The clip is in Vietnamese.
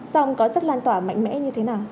song có sức lan tỏa mạnh mẽ như thế nào